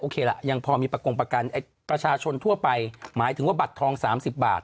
ล่ะยังพอมีประกงประกันประชาชนทั่วไปหมายถึงว่าบัตรทอง๓๐บาท